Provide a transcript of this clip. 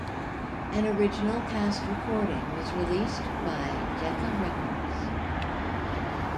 An original cast recording was released by Decca Records.